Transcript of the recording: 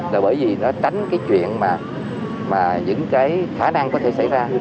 là bởi vì nó tránh cái chuyện mà những cái khả năng có thể xảy ra